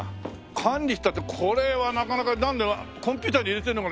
管理っていったってこれはなかなかコンピューターに入れてるのかな？